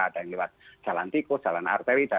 ada yang lewat jalan tikus jalan arteri